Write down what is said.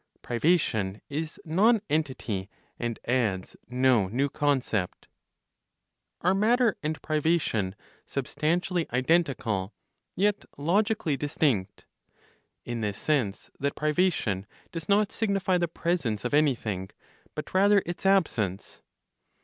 PRIVATION IS NONENTITY, AND ADDS NO NEW CONCEPT. Are matter and privation substantially identical, yet logically distinct, in this sense that privation does not signify the presence of anything, but rather its absence?